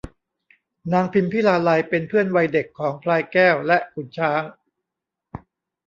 นางพิมพิลาไลยเป็นเพื่อนวัยเด็กของพลายแก้วและขุนช้าง